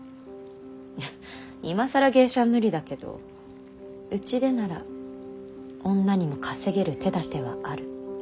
いや今更芸者は無理だけどうちでなら女にも稼げる手だてはある。